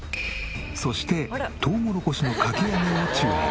そしてとうもろこしのかき揚げを注文。